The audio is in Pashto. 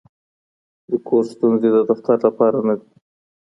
د کور ستونزې د دفتر لپاره نه دي.